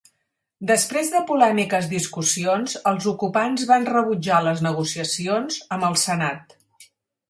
Després de polèmiques discussions, els ocupants van rebutjar les negociacions amb el Senat.